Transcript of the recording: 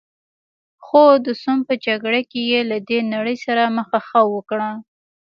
خو د سوم په جګړه کې یې له دې نړۍ سره مخه ښه وکړه.